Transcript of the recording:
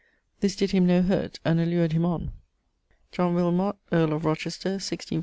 This did him no hurt, and allured him on. =John Wilmot=, earl of Rochester (1648 1680).